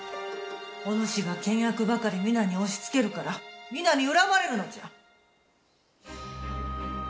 おぬしが倹約ばかり皆に押しつけるから皆に恨まれるのじゃ。